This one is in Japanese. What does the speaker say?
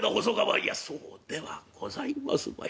「いやそうではございますまい。